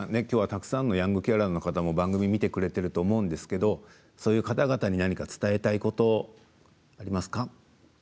きょうはたくさんのヤングケアラーの方番組見てくれてると思うんですけど、そういう方々に伝えたいことありますか？